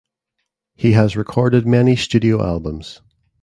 He has recorded many studio albums.